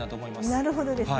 なるほどですね。